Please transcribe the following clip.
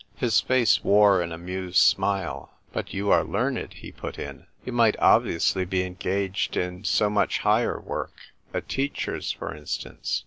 His face wore an amused smile. " But you are learned," he put in. "You might obviovtsly be engaged in so much higher work — a teacher's, for instance."